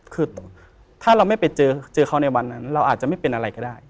คือถ้าเราไม่ไปเจอเขาในวันนั้นเราอาจจะไม่เป็นอะไรก็ได้